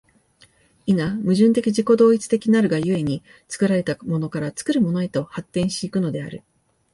否、矛盾的自己同一的なるが故に、作られたものから作るものへと発展し行くのである。